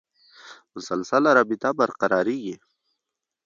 مسلسله رابطه برقرارېږي.